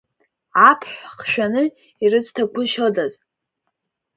Аԥҳә хшәаны ирызҭагәышьодаз!